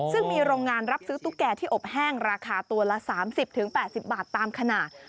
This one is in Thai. ซึ่งมีโรงงานรับซื้อตุ๊กแก่ที่อบแห้งราคาตัวละ๓๐๘๐บาทตามขนาด